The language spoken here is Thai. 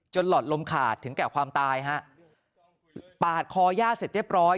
หลอดลมขาดถึงแก่ความตายฮะปาดคอย่าเสร็จเรียบร้อย